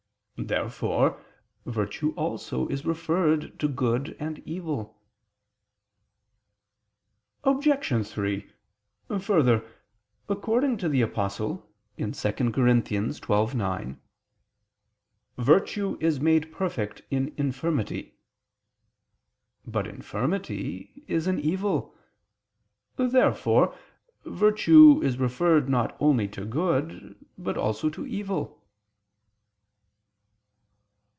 Therefore virtue also is referred to good and evil. Obj. 3: Further, according to the Apostle (2 Cor. 12:9): "Virtue [Douay: 'power'] is made perfect in infirmity." But infirmity is an evil. Therefore virtue is referred not only to good, but also to evil.